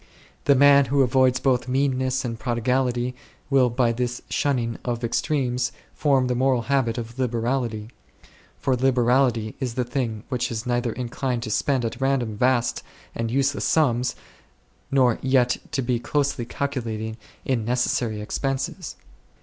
The man who avoids both meanness and prodigality will by this shunning of extremes form the moral habit of liberality ; for liber ality is the thing which is neither inclined to spend at random vast and useless sums, nor yet to be closely calculating in necessary ex penses.